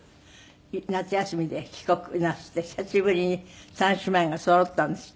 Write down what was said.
夏休みで帰国なすって久しぶりに三姉妹がそろったんですって？